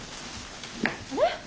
あれ？